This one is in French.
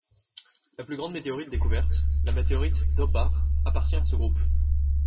La plus grande météorite découverte, la météorite d'Hoba, appartient à ce groupe.